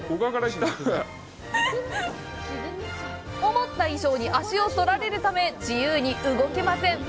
思った以上に足を取られるため、自由に動けません！